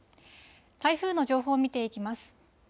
台風の情報を見ていきます。